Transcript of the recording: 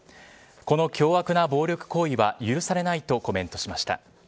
この凶悪な暴力行為は許されないとコメントしました。